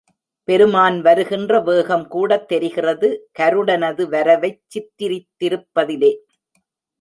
பெருமான் வருகின்ற வேகம் கூடத் தெரிகிறது கருடனது வரவைச் சித்திரித்திருப்பதிலே.